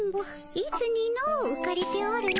いつにのううかれておるの。